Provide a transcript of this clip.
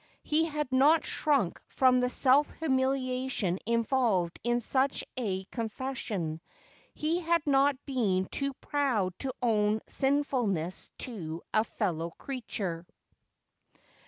He had not shrunk from the self humiliation involved in such a confession. He had not been too proud to own his sinfulness to a fellow creature.